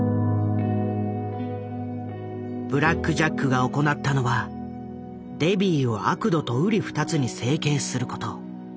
ブラック・ジャックが行ったのはデビイをアクドとうり二つに整形すること。